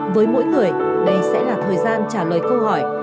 với mỗi người đây sẽ là thời gian trả lời câu hỏi